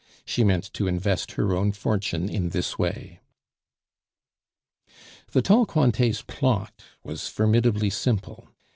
She meant to invest her own fortune in this way. The tall Cointet's plot was formidably simple.